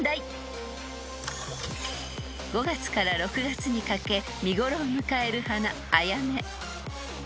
［５月から６月にかけ見頃を迎える花］